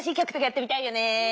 やってみたい。